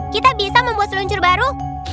kita bisa membuat seluncur baru